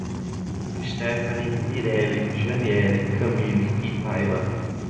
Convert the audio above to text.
Estefany, Mirele, Janiele, Camili e Taila